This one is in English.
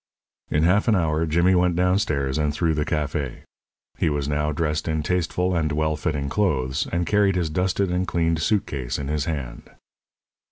In half an hour Jimmy went down stairs and through the café. He was now dressed in tasteful and well fitting clothes, and carried his dusted and cleaned suit case in his hand.